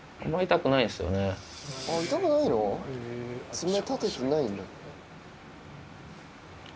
爪立ててないんだ。